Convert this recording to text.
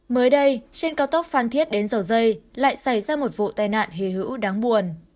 mới đây trên cao tốc phan thiết đến dầu dây lại xảy ra một vụ tai nạn hề hữu đáng buồn